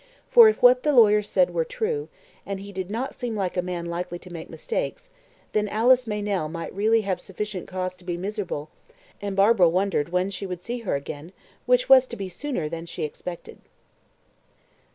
For if what the lawyer said were true and he did not seem a man likely to make mistakes then Alice Meynell might really have sufficient cause to be miserable, and Barbara wondered when she would see her again, which was to be sooner than she expected.